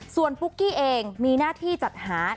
ส่วนปุ๊กกี้เองมีหน้าที่จัดหา